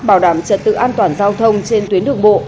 bảo đảm trật tự an toàn giao thông trên tuyến đường bộ